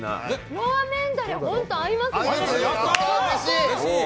ラーメンダレ本当合いますね。